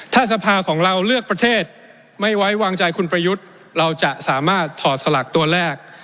ถ้าสภาของเราเลือกประเทศไม่ไว้วางใจคุณประยุทธ์เราจะสามารถถอดสลักตัวแรก